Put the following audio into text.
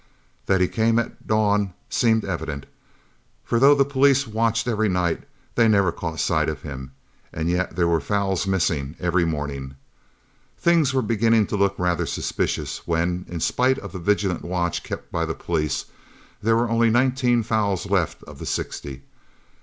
That he came at dawn seemed evident, for though the police watched every night, they never caught sight of him, and yet there were fowls missing every morning. Things were beginning to look rather suspicious when, in spite of the vigilant watch kept by the police, there were only nineteen fowls left of the sixty. Mrs.